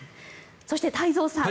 そして、太蔵さん